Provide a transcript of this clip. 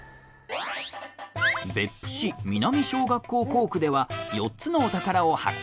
別府市南小学校校区では４つのお宝を発見。